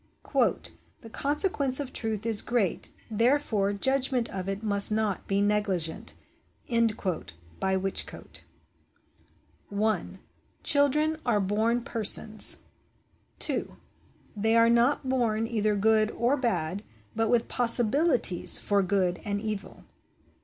'* The consequence of truth is great ; therefore the judgment of it must not be negligent." WHICHCOTE. 1. Children are born persons. 2. They are not born either good or bad, but with possibilities for good and evil.